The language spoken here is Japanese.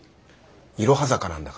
いろは坂なんだから。